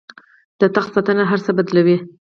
د تخت ساتنه هر څه بدلوي.